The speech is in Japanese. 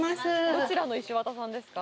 どちらの石渡さんですか？